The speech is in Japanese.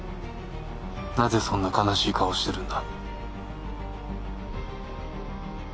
なぜそんな悲しい顔をしてるんだ？